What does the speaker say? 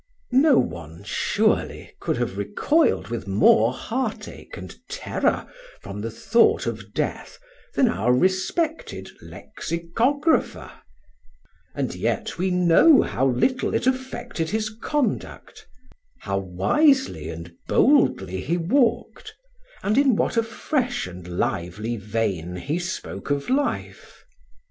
No one surely could have recoiled with more heartache and terror from the thought of death than our respected lexicographer; and yet we know how little it affected his conduct, how wisely and boldly he walked, and in what a fresh and lively vein he spoke of life.